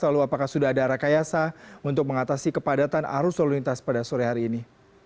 lalu apakah sudah ada rekayasa untuk mengatasi kepadatan arus lalu lintas pada sore hari ini